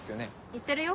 行ってるよ